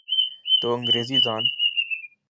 تو انگریزی دان۔